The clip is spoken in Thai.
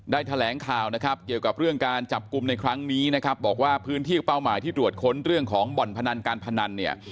แถลงข่าวนะครับเกี่ยวกับเรื่องการจับกลุ่มในครั้งนี้นะครับบอกว่าพื้นที่เป้าหมายที่ตรวจค้นเรื่องของบ่อนพนันการพนันเนี่ย